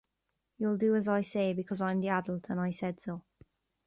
You'll do as I say because I'm the adult and I said so.